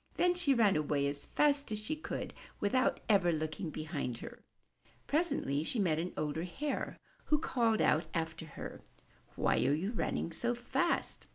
'' Then she ran away as fast as she could, without ever looking behind her. Presently she met an older Hare, who called out after her, ''Why are you running so fast?''